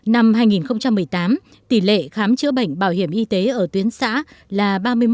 năm hai nghìn một mươi tám tỷ lệ khám chữa bệnh bảo hiểm y tế ở tuyến xã là ba mươi một